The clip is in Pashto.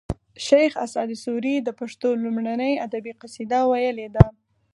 شیخ اسعد سوري د پښتو لومړنۍ ادبي قصیده ویلې ده